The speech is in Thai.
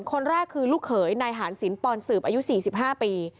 คนแรกคือลูกเขยนายหารสินปอนสืบอายุ๔๕ปี